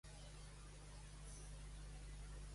Dietrich Thurau, que va iniciar el Tour, va guanyar el pròleg.